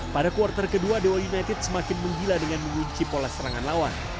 pada quarter ke dua dewa united semakin menggila dengan mengunci pola serangan lawan